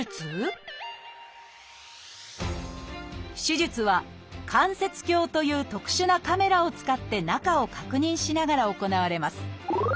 手術は「関節鏡」という特殊なカメラを使って中を確認しながら行われます。